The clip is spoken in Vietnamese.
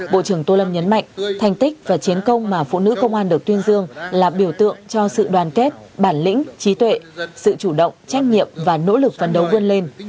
bộ trưởng tô lâm nhấn mạnh thành tích và chiến công mà phụ nữ công an được tuyên dương là biểu tượng cho sự đoàn kết bản lĩnh trí tuệ sự chủ động trách nhiệm và nỗ lực phấn đấu vươn lên